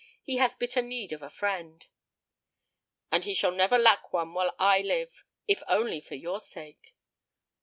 He has bitter need of a friend." "And he shall never lack one while I live, if only for your sake."